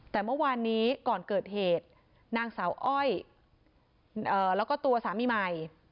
แต่เมื่อวานนี้ก่อนเกิดเหตุนางสาวอ้อยแล้วก็ตัวสามีใหม่